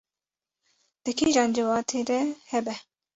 di kîjan ciwatê de hebe